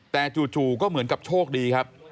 แต่จู่ก็เหมือนกับโชคดีครับ